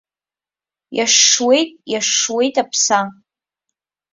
Иашшуеит, иашшуеит аԥса.